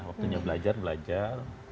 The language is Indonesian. waktunya belajar belajar